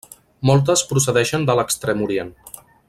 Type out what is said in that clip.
Moltes procedeixen de l'Extrem Orient.